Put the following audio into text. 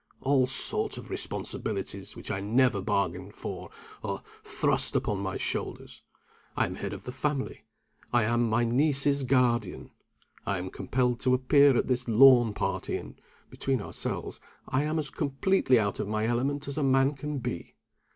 All sorts of responsibilities which I never bargained for are thrust on my shoulders. I am the head of the family; I am my niece's guardian; I am compelled to appear at this lawn party and (between ourselves) I am as completely out of my element as a man can be.